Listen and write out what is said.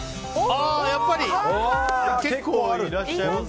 やっぱり結構いらっしゃいますね。